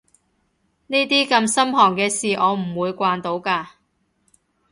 呢啲咁心寒嘅事我唔會慣到㗎